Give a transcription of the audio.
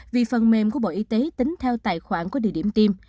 vì phần mềm của bộ y tế tính theo tài khoản của địa điểm tiêm